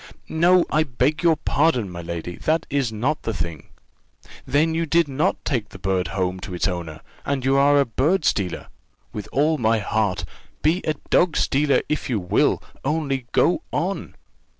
"No, I beg your pardon, my lady, that is not the thing." "Then you did not take the bird home to its owner and you are a bird stealer? With all my heart: be a dog stealer, if you will only go on."